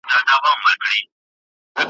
د غوايی خواته ور څېرمه ګام په ګام سو `